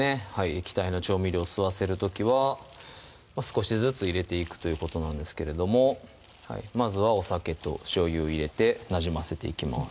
液体の調味料吸わせる時は少しずつ入れていくということなんですけれどもまずはお酒としょうゆを入れてなじませていきます